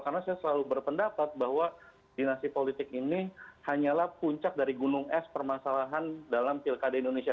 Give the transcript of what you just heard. karena saya selalu berpendapat bahwa dinasti politik ini hanyalah puncak dari gunung es permasalahan dalam pilkada indonesia